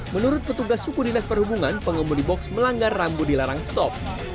menurut petugas suku dinas perhubungan pengemudi box melanggar rambu dilarang stop